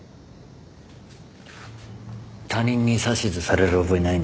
他人に指図される覚えないね。